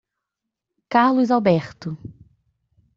Carlos Alberto.